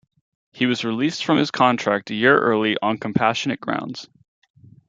He was released from his contract a year early on compassionate grounds.